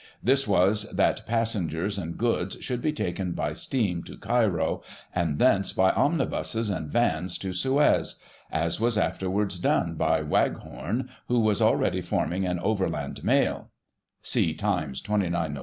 This was that passengers and g^oods should be taken by steam to Cairo, and thence, by omnibuses and vans to Suez — as was afterwards done by Waghom, who was already forming an Overland Mail (see Times^ 29 Nov.